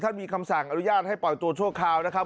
มีคำสั่งอนุญาตให้ปล่อยตัวชั่วคราวนะครับ